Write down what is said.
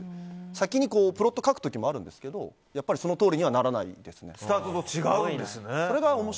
先にプロットを書く時もあるんですがそのとおりにはならないですね。